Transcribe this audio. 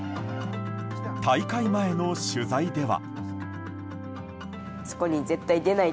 大会前の取材では。